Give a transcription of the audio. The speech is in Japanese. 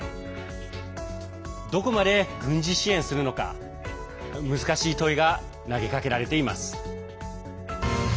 どこまで軍事支援するのか難しい問いが投げかけられています。